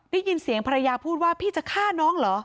ได้ยินเสียงภรรยาพูดว่าพี่จะฆ่าน้องเหรอ